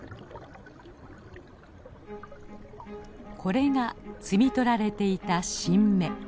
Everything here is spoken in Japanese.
これが摘み取られていた新芽。